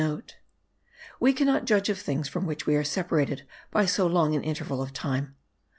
We cannot judge of things from which we are separated by so long an interval of time.